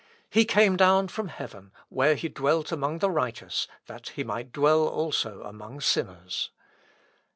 He came down from heaven, where he dwelt among the righteous, that he might dwell also among sinners.